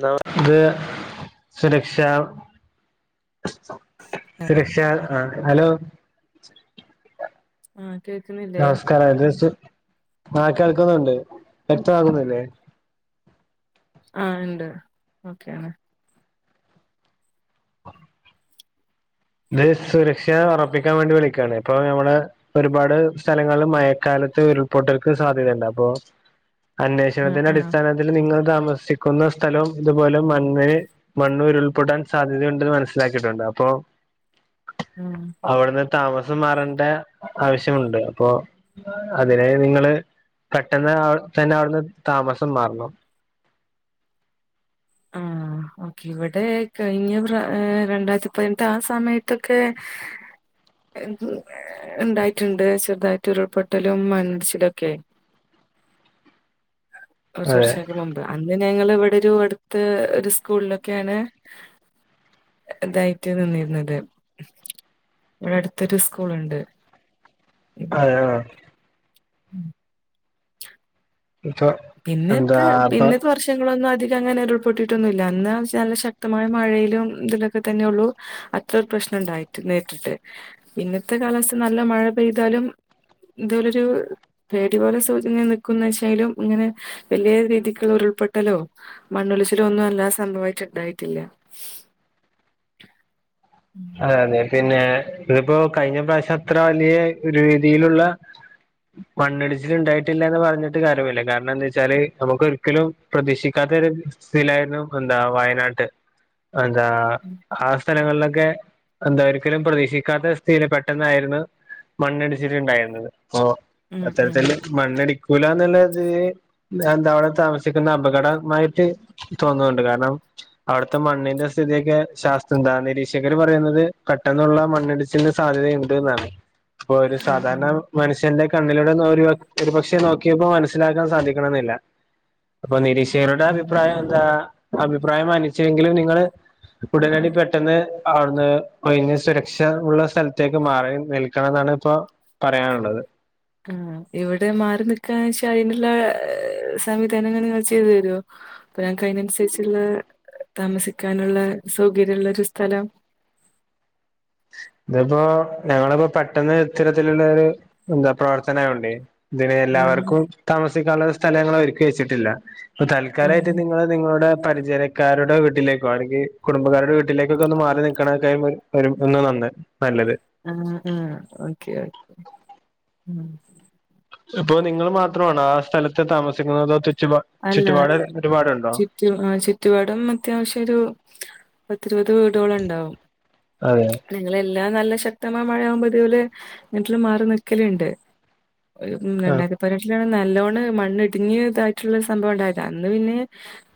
Nor ന്ത് സുരക്ഷ ആഹ് സുരക്ഷ ആഹ ഹലോ ആൻ നമസ്കാരം തെ സു ആ കേൾക്കുന്നുണ്ട് വ്യക്തമാകുന്നില്ലേ? ആഹ ഇണ്ട് ഓക്കെയാണ്. ഇത് സുരക്ഷ ഉറപ്പിക്കാൻ വേണ്ടി വിളിക്കാണ്. ഇപ്പൊ ഞമ്മളെ ഒരുപാട് സ്ഥലങ്ങൾല് മയക്കാലം. ത്ത് ഉരുൾപൊട്ടൽക്കും സാധ്യതണ്ട്. അപ്പോ ആഹ് അന്വേഷണത്തിന്റെ ആഹ് അടിസ്ഥാനത്തില് നിങ്ങൾ താമസി സിക്കുന്ന സ്ഥലോം ഇതുപോലെ മണ്ണ് മണ്ണുരുൾപൊട്ടാൻ സാധ്യതയുണ്ട് മനസ്സിലാക്കിയിട്ടുണ്ട്. അപ്പൊ ആഹ് അവിട്ന്ന്. താമസം മാറേണ്ട ആവശ്യമുണ്ട്. അപ്പോ അതിനെ നിങ്ങള് പെട്ടെന്ന് അ തന്നെ അവിടുന്ന് താമസം മാറണം. [inaudible] ആഹ് ഓക്കെ ഇവിടെ കഴിഞ്ഞ പ്രാ രണ്ടായിരത്തി പതിനെട്ട് ആ സമയത്തൊക്കെ? ഉണ്ടായിട്ടുണ്ട് ചെറുതായിട്ട് ഉരുൾപൊട്ടലും മണ്ണടിച്ചിലൊക്കെ. [inaudible] കുറച് അതെ വർഷങ്ങൾക്ക് മുമ്പ് അന്ന് ഞങ്ങൾ ഇവിടെ ഒരു അടു ഇ ഒരു സ്കൂളിലൊക്കെയാണ്. ഇതായിട്ട് നിന്നിരുന്നത്. ഇവിടെ അടുത്തൊരു സ്കൂൾുണ്ട്. ആ ആ ഉം ഇപ്പൊ എന്താ പിന്നകൊ അപ്പൊ പിന്നത്തെ വർഷങ്ങളൊന്നും അധി അങ്ങനെ ഉരുൾപ്പെൊട്ടിട്ടൊന്നുമല്ല. എന്നാ നല്ല ശക്തമായ മഴയിലും ഇതിലൊക്കെ തന്നെ ഉള്ളൂ അത്ര പ്രശ്ന ഉണ്ടായിട്ട് നേരിട്ട് ഇന്നത്തെ കാലത്ത് നല്ല മഴ പെയ്താലും. എന്തോലൊരു പേടിപൊലെ സൗചന്യം നികുന്ന്ചേലും ഇങ്ങനെ.. വെല്ല്യരീതിക്ക്‌ള് ഉരുൾപെട്ടലോ. മണ്ണൊലിച്ചിലോ. ഒന്നും അല്ലാ സംഭവായിട്ട്ണ്ടായിട്ടില്ല. ശ് ഉം അതെ. അതെ പിന്നെ ഇതിപ്പോ കഴിഞ്ഞ പ്രാവശ്യ അത്ര. വല്ല്യേ രീതിയിലുള്ള മണ്ണിടിച്ചിൽ ണ്ടായിട്ടില്ലാന്ന് പറഞ്ഞിട്ട് കാര്യമുല്ല. കാരണംന്തേച്ചാല് നമക്ക് ഒരിക്കലും പ്രതീക്ഷിക്കാത്ത [unintelligible] എന്താ വയനാട്ട് എന്താ ആ സ്ഥലങ്ങളിലൊക്കെ എന്തെ ഒരിക്കലും പ്രതീക്ഷിക്കാത്ത സ്ഥീയില് പെട്ടെന്നായിരുന്നു മണ്ണിടിച്ചില് ണ്ടായിരുന്നത് ഓ. ഉം ഉം അത്തരത്തില്ല്. മണ്ണ്ടി കുലന്നുള്ളത് ല് എന്ത അവടെ താമസിക്കുന്ന അപകടമായിട്ട് തോന്നുണ്ട് കാരണം അവടുത്തെ മണ്ണിന്റെ സ്ഥിതിയൊക്കെ ശാസ്ത്രംന്തയിരീശ്യ ര്. പറയുന്നത് കെട്ടെന്നുള്ള മണ്ണിടിച്ചിൽന് സാധ്യതയിണ്ട്ന്നാണ് പ്പൊ ഒരു ആഹ് സാധാരണ ആഹ് മനുഷ്യന്റെ കണ്ണിലൂടെ നോരു ഒരുപക്ഷെ നോക്കിയപ്പോ മനസ്സിലാകാൻ സാധിക്കണംന്നില്ല ഇപ്പൊ നിരീശ്യരുടെ ഉം അഭിപ്രായതാ അഭിപ്രായം. അനിച്ചുവെങ്കിലും. നിങ്ങള്. ഉടനടി പെട്ടെന്ന് അവിടുന്ന്.. കയ്ഞ്ഞ. സുരക്ഷ ഉള്ള സ്ഥലത്തേക്ക് മാറി നിൽക്കണന്നാണ്. ഇപ്പോ പറയാൻള്ളത് ആ, ആ, ഇവിടെ മാറി നിക്കാച്ചാ. അയി നുള്ള സംവിധാനങ്ങള്. നിങ്ങൾ ചെയ്തുതരോ അപ്പ ഞങ്ങ്ക്ക് അയിനനുസരിച്ചുള്ള.. ത്താമസിക്കാനുള്ള. സൗകര്യള്ള. ഒരു സ്ഥലം ഇതിപ്പോ ഞങ്ങളിപ്പോ പെട്ടെന്ന് ച്ചിര ത്തിലുള്ളരു എന്ത പ്രർത്തനവണ്ടേ ഇതിന് ആഹ് എല്ലാവർക്കും കാമസിക്കാള്ളേ സ്ഥല അങ്ങള് ഒരുക്കി വെച്ചിട്ടില്ല പ്പ. തൽക്കാലയിട്ട്. ആഹ് നിങ്ങള് നിങ്ങളുടെ പരിചരക്കാരുടെ. വീട്ടിലേക്കോ. അല്ലെങ്കി. കുടുംബക്കാരുടെ വീട്ടിലേക്കൊക്കെ ഒന്ന് മാറി നിക്കണ ടൈം വരും ഒന്ന് [unintelligible] ആ, ആ, ഓക്കെ, ഒക്കേ മ്മ് അപ്പൊ നിങ്ങൾ മാത്രണോ ആ സ്ഥലത്ത് താമസിക്കുന്നതോ [unintelligible] അല്ല. ചുറ്റു ചുറ്റുവാടും. അത്യാവശ്യ ഒരു പത്തിരുപത്. വീടുകളുണ്ടാവും. അതെ നിങ്ങളെല്ലാനല്ല ശക്തമാം മഴയാവുമ്പോഴുതേല്. വീട്ടില് മാറി നിക്കല്ണ്ട് ഒരു. മ്. ആ രണ്ടായിരത്തി. പതിനെട്ടിലാ നല്ലോണ്. മണ്ണിടിഞ്ഞ് ത സംഭവം ഉണ്ടയത അന്ന് പിന്നെ. ഹേ.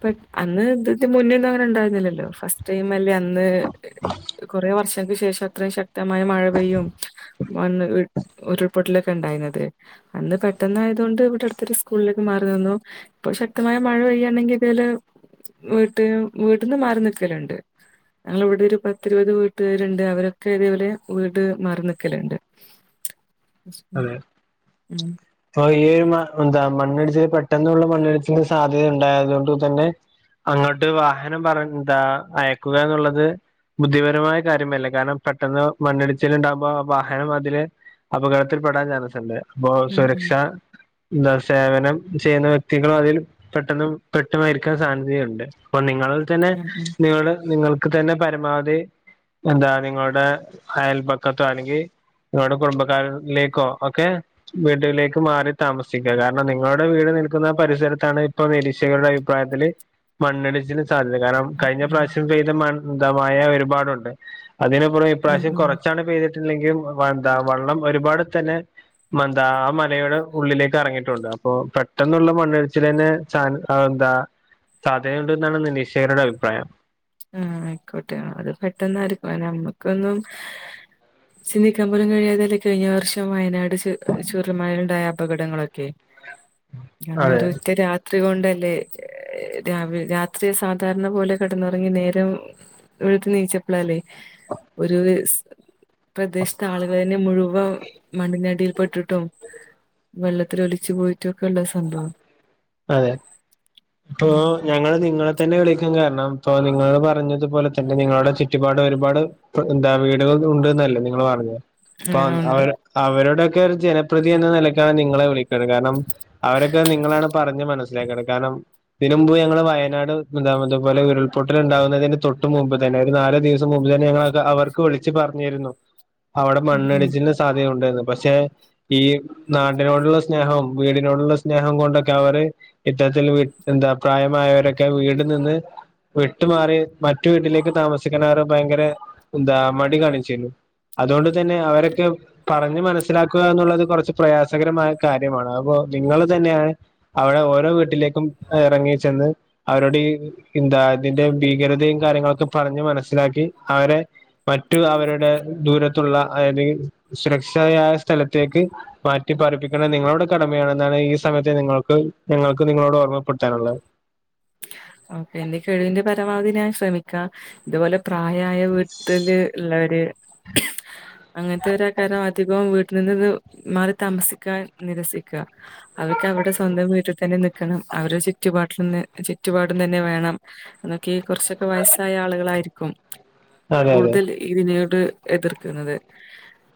പെ അന്ന് ഇത്. ത് മുന്നേന്നും അങ്ങനെ ഉണ്ടായിരുന്നില്ലല്ലോ ഫസ്റ്റ് ടൈം അല്ലെന്ന് ന്ന്.. കൊറേ വർശ് ളക്. ശേഷം അത്രയും ശക്തമായ മഴ പെയ്യും വന്ന് ഉരു ഉരുൾപൊട്ടലൊക്കെ ണ്ടായിര്ന്നത് അന്ന് പെട്ടന്ന് ആയതോണ്ട് ഇവിടെ അടുത്തൊരു സ്കൂളിലേക്ക് മാറി നിന്നു ഇപ്പൊ ശക്തമായ മഴ പെയ്യാണെങ്കി ഇതേല് വീട്ടിലും വീട്ടിന്ന് മാറി നിക്കലുണ്ട് ഞങ്ങള ഇവിടെ ഒരു പത്തിരുപത് വീട്ടുകാരുണ്ട് അവരൊക്കെ ഇതേപലെ വീട് മാറി നിക്കലുണ്ട് അതെ [unintelligible] ഉം ഇപ്പൊ ഈ മ എന്താ മണ്ണിടിച്ചില് പെട്ടെന്നുള്ള മണ്ണിടിച്ചിലിന് സാധ്യത ഉണ്ടായതോണ്ട്. തന്നെ അങ്ങട്ട് വാഹനം പറ എന്താ അയക്കുക എന്നുള്ളത് ബുദ്ധിപരമായ കാര്യമല്ല കാരണം പെട്ടെന്ന് മണ്ണിടിച്ചിലുണ്ടാവുമ്പോ വാഹനം അതിലേ അപകട ത്തിൽപ്പെടാൻ ചാൻസുണ്ട് അപ്പോ ഉം ഉം സുരക്ഷ എന്താ സേവനം ചെയ്യുന്ന വ്യക്തികൾ അതിൽ പെട്ടെന്ന് പെട്ടുമരിക്കാൻ സാധ്യതയുണ്ട് അപ്പൊ നിങ്ങൾ തന്നെ ഉം ഉം ഉം നിങ്ങള് നിങ്ങൾക്ക് തന്നെ പരമാവധി എന്താ നിങ്ങളുടെ അയൽപക്കത്തോ അല്ലെങ്കി നിങ്ങളുടെ കുടുംബക്കാരു ലേക്കോ ഒക്കെ വീട്ടിലേക്ക് മാറി താമസിക കാരണം നിങ്ങളുടെ വീട് നിൽക്കുന്ന പരിസരത്താണ് ഇപ്പൊ നിരീക്ഷകരുടെ അഭിപ്രായത്തില് മണ്ണിടിച്ചില് കാരണം ഉം കഴിഞ്ഞ ഉം പ്രാവശ്യം പെയ്ത മണ്ണ് ന്താ മഴ ഒരുപാടുണ്ട് അതിനപ്പുറം ഉം ഇപ്രാവശ്യം ഉം കുറച്ചാണ് പെയ്തിട്ടണ്ടെങ്കിൽ വ എന്താ വെള്ളം ഒരുപാട് തന്നെ മന്താ ആ മലയുടെ ഉള്ളിലേക്ക് ഇറങ്ങിയിട്ടുണ്ട് അപ്പൊ പെട്ടെന്നുള്ള മണ്ണിടിച്ചിൽ തന്നെ ചാ എന്താ സാധ്യതയുണ്ട് എന്നാണ് നിരീക്ഷകരുടെ അഭിപ്രായം ആഹ ആയിക്കോട്ടെ അത് പെട്ടെന്നായിരിക്കുംആ നമ്മക്കൊന്നും സിന്നിക്കാമ്പലം കഴിയാതല്ലെ കഴിഞ്ഞ വർഷം വയനാട് [unintelligible] ചൂരൽ മലയിൽ ഉണ്ടായ അപകടങ്ങളൊക്കെ അന്നാ അതെ ഒരൊറ്റ രാത് രാത്രി കൊണ്ടല്ലേ രാത്രി സാധാരണ പോലെ കിടന്ന നേരം എവിടു നീച്ചപ്പോളല്ലേ ഒരു പ്രദേശത്തെ ആളുകൾ തന്നെ മുഴുവ മണ്ണിനടിയിൽ പെട്ടിട്ടും വെള്ളത്തില് ഒലിച്ചു പോയിട്ടും ഒക്കെ ഉള്ള സംഭവം അതെ അപ്പൊ ഉം ഞങ്ങൾ നിങ്ങള തന്നെ വിളിക്കാൻ കാരണം ഇപ്പ നിങ്ങൾ പറഞ്ഞതുപോലെ തന്നെ നിങ്ങളുടെ ചുറ്റുപാട് ഒരുപാട് എന്താ വീടുക [unintelligible] നിങ്ങൾ പറഞ്ഞേ പ്പാ ആഹ് അ ഉണ്ട് അവരുടെ [unintelligible] ജനപ്രിതി എന്ന നിലക്കാണ് നിങ്ങളെ വിളിക്കണ കാരണം അവരൊക്കെ നിങ്ങളാണ് പറഞ് മനസ്സിലാക്കണം കാരണം ഇതിന്‌ മുമ്പ് ഞങ്ങൾ വയനാട് ന്താ അതുപോലെ ഉരുൾപൊട്ടൽ ഉണ്ടാവുന്നതിന് തൊ തൊട്ട് മുമ്പ് തന്നെ ഒരു നാല് ദിവസം മുമ്പ് തന്നെ ഞങ്ങ അവർക്ക് വിളിച്ചു പറഞ്ഞിരുന്നു അവിടെ ഉം ഉം. മണ്ണടിച്ചിലിന്റെ സാധ്യയുണ്ട് പക്ഷെ ഈ നാടിനോടുള്ള സ്നേഹം വീടിനോടുള്ള സ്നേഹം കൊണ്ടൊക്കെ അവര് ഇത്തരത്തിൽ വി എന്താ പ്രായമായവരൊക്കെ വീട് നിന്ന് വിട്ടു മാറി മറ്റു വീട്ടിലേക്ക് താമസിക്കണ അവർ ഭയങ്കര എന്താ മടി കാണിച്ചിരുന്നു അതുകൊണ്ട് തന്നെ അവരൊക്കെ പറ മനസ്സിലാക്കുക എന്നുള്ളത് കുറച്ച് പ്രയാസകരമായ കാര്യമാണ് അപ്പൊ നിങ്ങൾ തന്നെയാ അവിടെ ഓരോ വീട്ടിലേക്കും ഇറങ്ങി ചെന്ന് അവരോട് ഈ എന്താ അതിന്റെ ഭീകരതയും കാര്യങ്ങളൊക്കെ പറഞ്ഞ് മനസ്സിലാക്കി അവരെ മറ്റു അവരുടെ ദൂരത്തുള്ള അതാത് സുരക്ഷയായ സ്ഥലത്തേക്ക് മാറ്റി പാർപ്പിക്കണ നിങ്ങളുടെ കടമയാണെന്നാണ് ഈ സമയത്ത് നിങ്ങൾ ഇപ്പൊ ഞങ്ങൾക്ക് നിങ്ങളോട് ഓർമ്മപ്പെടുത്താനുള്ളേ ഓക്കെ എന്റെ കഴിവിന്റെ പരമാവധി ഞാൻ ശ്രമിക്കാം ഇതുപോലെ പ്രാ പ്രായായ വീട്ടില് ഉള്ളവര് അങ്ങനത്തെ ഒരാ കാരം അധിപ്പം വീട്ടിൽ നിന്ന് മാറി താമസിക്കാ നിരസിക്കുക അവർക്ക് അവരുടെ സ്വന്തം വീട്ടിൽ തന്നെ നിക്കണം ആ ഒരു ചുറ്റുപാട്ടിൽ നിന്ന് ച്ചു ചുറ്റുപാടും തന്നെ വേണം എന്നൊക്കെ കുറച്ചൊക്കെ വയസ്സായ ആളുകളായിരിക്കും അതെ അതെ കൂടുതൽ ഇതിനോട് എതിർക്കുന്നത്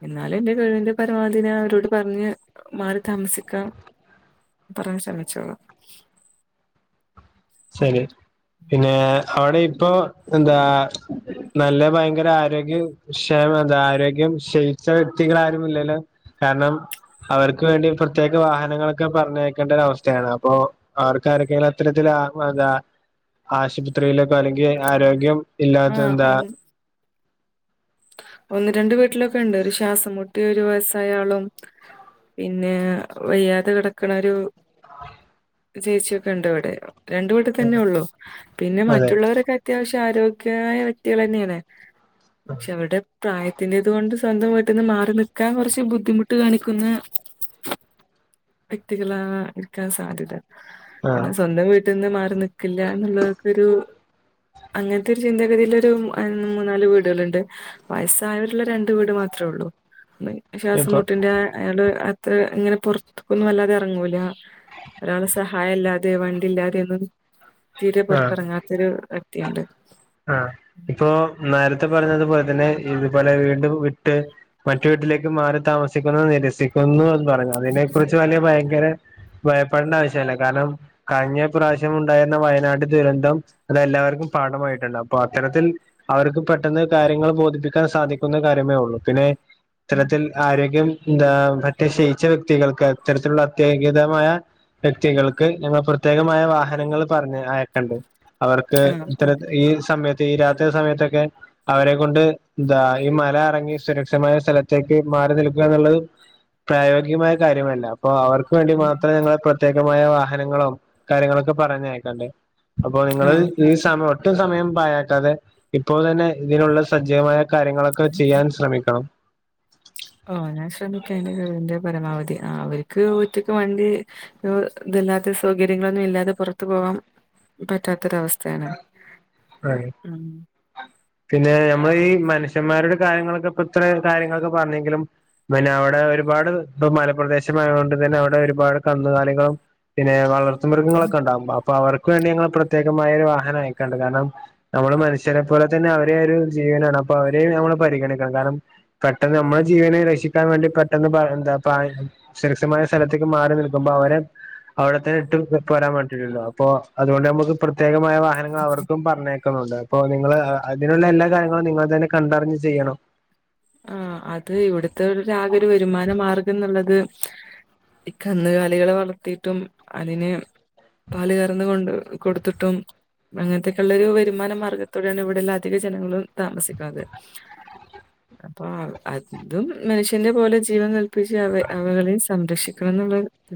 എന്നാലും എന്റെ കഴിവിന്റെ പരമാവധി ഞാ അവരോട് പറഞ്ഞ് മാറി താമസി ക്ക പറയാൻ ശ്രമിച്ചോളാം ശരി പിന്നെ അവിടെ ഇപ്പൊ എന്താ നല്ല ഭയങ്കര ആരോഗ്യ ക്ഷമത ആരോഗ്യം ക്ഷയിച്ച വ്യക്തികൾ ആരും ഇല്ലല്ലോ കാരണം അവർക്ക് വേണ്ടി പ്രത്യേക വാഹനങ്ങളൊക്കെ പറഞ്ഞയക്കേണ്ടര അവസ്ഥയാണ് അപ്പൊ അവർക്ക് ആര്ക്കെങ്കിലും അത്തരത്തില അതാ ആശുപത്രിയിലേക്കെ അല്ലെങ്കിൽ ആരോഗ്യം ഇല്ലാത്ത ആഹ് എന്താ ഒന്ന് ഒന്ന് രണ്ട് വീട്ടിലൊക്കെ ഉണ്ട് ഒരു ശ്വാസം മുട്ടി ഒരു വയസ്സായാളും പിന്നെ വയ്യാതെ കിടക്കണ ഒരു ചേച്ചിയൊക്കെ ഉണ്ട് ഇവിടെ രണ്ട്‌ വട്ടം തന്നെ ഉള്ളൂ പിന്നെ അതെ മറ്റുള്ളവരൊക്കെ അത്യാവശ്യം ആരോഗ്യമായ വ്യക്തികൾ തന്നെയാണ് പക്ഷെ അവിടെ പ്രായത്തിന്റേത് കൊണ്ട് സ്വന്തംമായിട്ടൊന്ന് മാറി നിക്കാൻ കുറച്ച് ബുദ്ധിമുട്ട് കാണിക്കുന്ന [inaudible] വ്യക്തികള ഇക്കാൻ സാധ്യത ആ അന സ്വന്തം വീ ഇന്ന് മാറി നിക്കില്ല എന്നുള്ള ഒരു അങ്ങനത്തെ ഒരു ചിന്താഗതിയിലൊരു മൂന്നാല് വീടുകളുണ്ട് വയസ്സായവരുള്ള രണ്ട് വീട് മാത്രം ഉള്ളൂ ഇപ്പൊ ശ്വാസംമുട്ടിന്റെ അയാള് ഇങ്ങനെ പൊറത്തെക്കൊന്നും വല്ലാതെ ഇറങ്ങൂല ഒരാളെ സഹായം ഇല്ലാതെ വണ്ടി ഇല്ലാതെ ഒന്നും തീരെ പുറത്തിറങ്ങാത്തൊരു വ്യക്തിയുണ്ട് ആ ഇപ്പോ നേരത്തെ പറഞ്ഞത് പോല ന്നെ ഇതുപോലെ വീട് വിട്ട് മറ്റു വീട്ടിലേക്ക് മാറി താമസിക്കുന്നു നിരസിക്കുന്നു പറഞ്ഞു അതിനെ കുറിച്ച് വലിയ ഭയങ്കര ഭയപ്പെടേണ്ട ആവശ്യല്ല കാരണം കഴിഞ്ഞ പ്രാവശ്യം ഉണ്ടായിരുന്ന വയനാട് ദുരന്തം അതെല്ലാം എല്ലാവർക്കും പാഠമായി അപ്പൊ അത്തരത്തിൽ അവർക്ക് പെട്ടെന്ന് കാര്യങ്ങൾ ബോധിപ്പിക്കാൻ സാധിക്കുന്ന കാര്യമേ ഉള്ളൂ പിന്നെ ഇത്തരത്തിൽ ആരോഗ്യം എന്താ മറ്റേശയിച്ച വ്യക്തികൾക്ക് അത്തരത്തിലുള്ള അത്യാഹിതമായ വ്യക്തികൾക്ക് ഞങ്ങൾ പ്രത്യേകമായ വാഹനങ്ങൾ പറഞ്ഞ് അയക്കണ്ട് അവർക്ക് ആഹ് ഇത്തര ഓക്കെ ഈ സമയത്ത് തീരാത്ത സമയത്തൊക്കെ അവരെ കൊണ്ട് എന്താ ഈ മല ഇറങ്ങി സുരക്ഷമായ സ്ഥലത്തേക്ക് മാറി നിൽക്കുക എന്നുള്ളത് പ്രായോഗികമായ കാര്യമല്ല അപ്പൊ അവർക്ക് വേണ്ടി ഉം മാത്രേ ഞങ്ങള് പ്രത്യേകമായ വാഹനങ്ങളും കാര്യങ്ങളൊക്കെ പറഞ്ഞയക്കണ്ട് അപ്പൊ നിങ്ങള് ആഹ് ഈ സമയം ഒട്ടും സമയം പാഴാക്കാതെ ഇപ്പോ തന്നെ ഇതിനുള്ള സജ്ജീവമായ കാര്യങ്ങളൊക്കെ ചെയ്യാൻ ശ്രമിക്കണം ഓ ഞാൻ ശ്രമിക്കാന്റെ കഴിവിന്റെ പരമാവധി അവർക്ക് ഒറ്റക്ക് വണ്ടി ഇതില്ലാത്ത സൗകര്യങ്ങളൊന്നും ഇല്ലാതെ പുറത്തു പോകാൻ പറ്റാത്തൊരവസ്ഥ സ്ഥയാണ് ഉം പിന്നെ നമ്മൾ ഈ മനുഷ്യന്മാരുടെ കാര്യങ്ങളൊക്കെ ഇത്ര കാര്യങ്ങളൊക്കെ പറഞ്ഞെങ്കിലും പിന്നെ അവിടെ ഒരുപാട് മലപ്രദേശയൊണ്ട് തന്നെ അവിടെ ഒരുപാട് കന്നുകാലികളും പിന്നെ വളർ ത്തു മൃഗങ്ങളൊക്കെ ഉണ്ടാവും അപ്പ അവർക്ക് വേണ്ടി ഞങ്ങൾ പ്രത്യേകമായ വാ ഹനം അയക്കണ്ട് കാരണം നമ്മള് മനുഷ്യരെ പോലെ തന്നെ അവരെ ഒരു ജീവനാണ് അപ്പം അവരെ നമ്മള് പരിഗണിക്കണം കാരണം പെട്ടെന്ന് നമ്മുടെ ജീവനെ രക്ഷിക്കാൻ വേണ്ടി പെട്ടന്ന് എന്ത സുരക്ഷമായ സ്ഥലത്തേക്ക് മാ മാറിനിൽക്കുമ്പോ അവരെ അവിടെതെ ഇട്ട് പോരാൻ പറ്റൂലല്ലോ അപ്പൊ അതുകൊണ്ട് നമുക്ക് പ്രത്യേകമായ വാ ഹനങ്ങൾ അവർക്കും പറഞ്ഞ ക്കുന്നുണ്ട് അപ്പൊ നിങ്ങള് അതിനുള്ള എല്ലാ കാര്യങ്ങളും നിങ്ങൾ തന്നെ കണ്ടറിഞ്ഞ് ചെയ്യണം ആ അത് ഇവിടുത്തെ ഒരു ആകെ വരുമാന മാർഗം എന്നുള്ളത് ഈ കന്നുകാലികളെ വളർത്തിട്ടും അതിന് പാല് കറന്ന് കൊണ്ട് കൊടുത്തിട്ടും അങ്ങനത്തൊക്കെ ഉള്ള ഒരു വരുമാന മാർഗത്തോടെയാണ് ഇവിടെല്ലാം അധിക ജനങ്ങളും താമസിക്കുന്നത് അപ്പൊ അതും മനുഷ്യന്റെ പോലെ ജീവൻ നൽപ്പിച്ച് അവ അവകളെയ സംരക്ഷിക്കണം എന്നുള്ളത്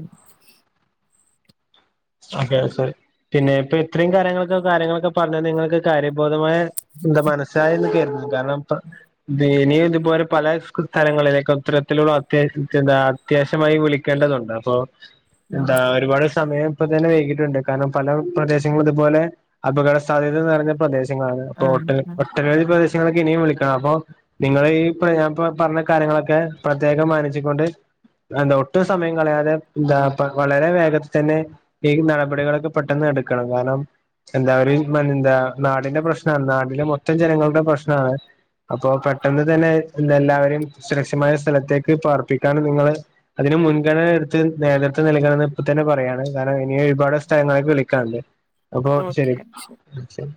അതെ പിന്നെ ഇപ്പൊ ഇത്രയും കാര്യങ്ങളൊക്കെ കാര്യങ്ങളൊക്കെ പറഞ്ഞാൽ നിങ്ങൾക്ക് കാര്യം [unintelligible] എന്താ മനസ്സായിന്ന് ക കാരണം ഇ ഇ ഇനിയും ഇതുപോലെ പല സ്ഥലങ്ങളിലേക്കെ ഉത്തരത്തിലുള്ള അത്യാവശ്യംന്താ അത്യാവശ്യമായി വിളിക്കേണ്ടതുണ്ട് അപ്പോ എന്താ ഒരുപാട് സമയം ഇപ്പോ തന്നെ വൈകിയിട്ടുണ്ട് കാരണം പല പ്രദേശങ്ങളും ഇതുപോലെ അപകട സാധ്യത നിറഞ്ഞ പ്രദേശ ങ്ങളാണ് ആ ഓട്ട ആ ഒട്ടനവിദി പ്രദേശ ഇനിയും വിളിക്കണം അപ്പൊ നിങ്ങള് ഈ ഞാൻ ഇ പറഞ്ഞ കാര്യങ്ങളൊക്കെ പ്രത്യേകം മാനിച്ചു കൊണ്ട് എന്താ ഒട്ടും സമയം കളയാതെ എന്താ വളരെ വേഗത്തിൽ തന്നെ നടപടികളൊക്കെ പെട്ടെന്ന് എടുക്കണം കാരണം എന്താ മ എന്താ നാടിന്റെ പ്രശ്നമാണ് നാടിലെ മൊത്തം ജനങ്ങളുടെ പ്രശ്നമാണ് അപ്പോപെട്ടെന്ന് തന്നെ എല്ലാവരെയും സുരക്ഷിമായ സ്ഥലത്തേക്ക് പാർപ്പിക്കൻ നിങ്ങള് അതിന മുൻഗണന എടുത്ത് നേതൃതം നൽകണംഎ ന്ന് ഇപ്പ തന്നെ പറയാണ് കാരണം ഇനി ഒരുപാട് സ്ഥലങ്ങളൊക്കവിളിക്കാറുണ്ട് അപ്പൊ ശരി ശ